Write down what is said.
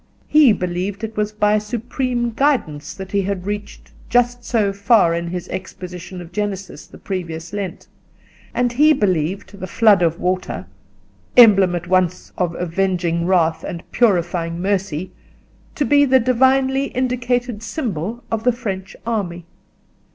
He believed it was by supreme guidance that he had reached just so far in his exposition of Genesis the previous Lent; and he believed the "flood of water"—emblem at once of avenging wrath and purifying mercy—to be the divinely—indicated symbol of the French army.